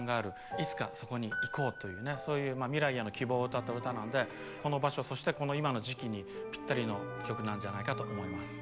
いつかそこに行こう」というねそういうまあ未来への希望を歌った歌なんでこの場所そしてこの今の時期にぴったりの曲なんじゃないかと思います。